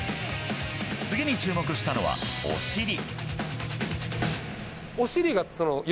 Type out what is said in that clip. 次に注目したのは、お尻。